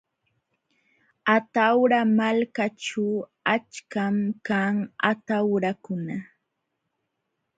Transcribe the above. Atawra malkaćhu achkam kan atawrakuna.